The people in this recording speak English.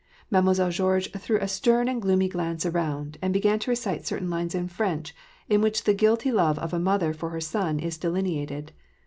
Mademoiselle Georges threw a stem and gloomy glance around, and began to recite certain lines in French, in which the guilty love of a mother for her son is delineated.